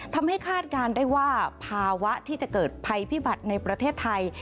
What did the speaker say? คาดการณ์ได้ว่าภาวะที่จะเกิดภัยพิบัติในประเทศไทย